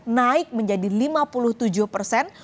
naik menjadi lima puluh tujuh persen